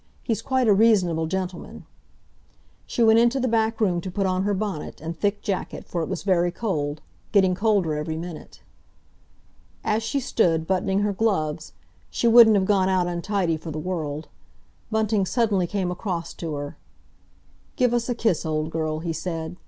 He's quite a reasonable gentleman." She went into the back room to put on her bonnet and thick jacket for it was very cold—getting colder every minute. As she stood, buttoning her gloves—she wouldn't have gone out untidy for the world—Bunting suddenly came across to her. "Give us a kiss, old girl," he said.